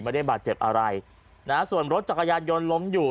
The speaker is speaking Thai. ไม่ได้บาดเจ็บอะไรนะฮะส่วนรถจักรยานยนต์ล้มอยู่